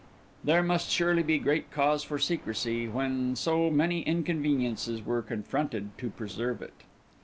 There must surely be great cause for secrecy, when so many inconveniences were confronted to preserve it.